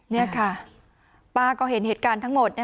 นี่ค่ะป้าก็เห็นเหตุการณ์ทั้งหมด